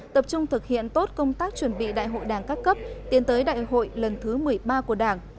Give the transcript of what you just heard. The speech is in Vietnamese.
tập trung thực hiện tốt công tác chuẩn bị đại hội đảng các cấp tiến tới đại hội lần thứ một mươi ba của đảng